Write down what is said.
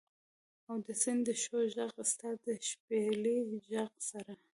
او د سیند د شور ږغ، ستا د شپیلۍ د ږغ سره